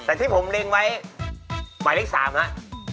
แต่ที่ผมเล็งไว้หมายเลข๓ครับ